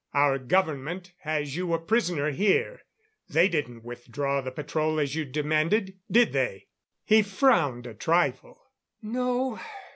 "Our government has you a prisoner here. They didn't withdraw the patrol as you demanded, did they?" He frowned a trifle. "No.